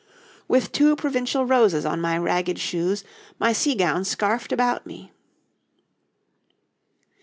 'With two provincial roses on my ragged shoes, My sea gown scarfed about me.'